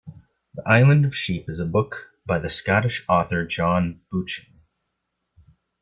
The Island of Sheep is a book by the Scottish author John Buchan